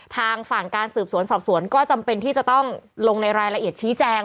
ทางฝั่งการสืบสวนสอบสวนก็จำเป็นที่จะต้องลงในรายละเอียดชี้แจง